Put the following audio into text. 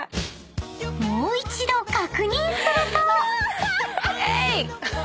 ［もう一度確認すると］